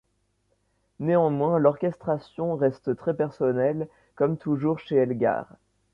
Néanmoins, l'orchestration reste très personnelle, comme toujours chez Elgar.